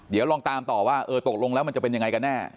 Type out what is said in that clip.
เดี๋ยวลองตามต่อว่าเออตกลงแล้วมันจะเป็นยังไงกันแน่